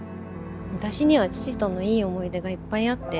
私には父とのいい思い出がいっぱいあって。